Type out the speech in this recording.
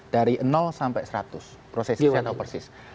dari sampai seratus proses